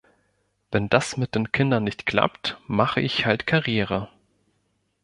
Wenn das mit den Kindern nicht klappt, mache ich halt Karriere.